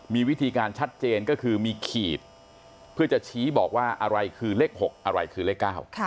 มีวิธีการชัดเจนก็คือมีขีดเพื่อจะชี้บอกว่าอะไรคือเลข๖อะไรคือเลข๙